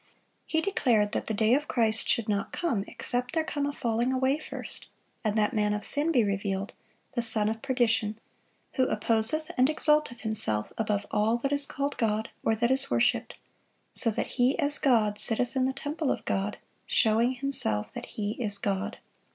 He declared that the day of Christ should not come, "except there come a falling away first, and that man of sin be revealed, the son of perdition; who opposeth and exalteth himself above all that is called God, or that is worshiped; so that he as God sitteth in the temple of God, showing himself that he is God."